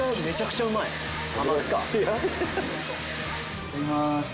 いただきます。